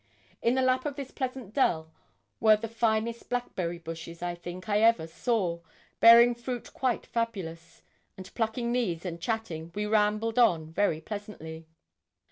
In the lap of this pleasant dell were the finest blackberry bushes, I think, I ever saw, bearing fruit quite fabulous; and plucking these, and chatting, we rambled on very pleasantly.